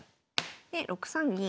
で６三銀。